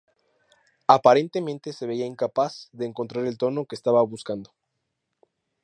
Aparentemente se veía incapaz de encontrar el tono que estaba buscando.